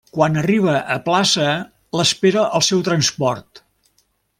Quan arriba a plaça l'espera el seu transport.